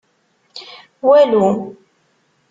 Walu.